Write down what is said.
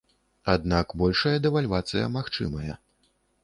Аднак большая дэвальвацыя магчымая.